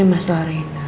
ini mas dalarina